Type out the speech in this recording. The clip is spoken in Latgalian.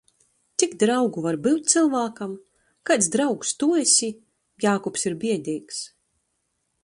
Cik draugu var byut cylvākam? Kaids draugs tu esi? Jākubs ir biedeigs.